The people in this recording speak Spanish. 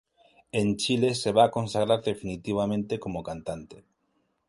En Chile se va a consagrar definitivamente como cantante.